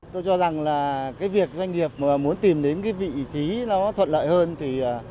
tôi cho rằng là cái việc doanh nghiệp mà muốn tìm đến cái vị trí nó thuận lợi hơn thì